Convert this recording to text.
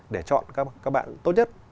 để chọn các bạn tốt nhất